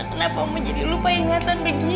kenapa oma jadi lupa ingatan begini